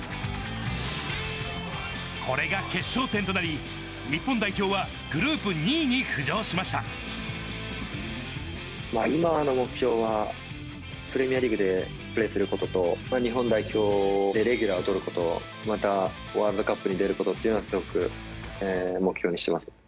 これが決勝点となり、日本代表は今の目標は、プレミアリーグでプレーすることと、日本代表でレギュラーを取ること、またワールドカップに出ることっていうのは、すごく目標にしてます。